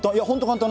簡単。